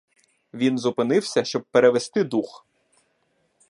Він зупинився, щоб перевести дух.